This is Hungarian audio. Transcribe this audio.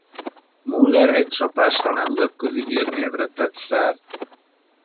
Muller egy csapásra nemzetközi hírnévre tett szert.